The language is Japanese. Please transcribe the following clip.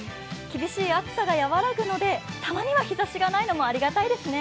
厳しい暑さが和らぐのでたまには日ざしがないのもありがたいですよね。